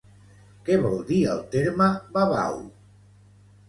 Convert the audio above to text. Què vol dir el terme babau?